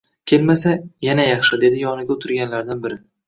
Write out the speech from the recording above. Kelmasa, yana yaxshi, dedi yonida o`tirganlardan biri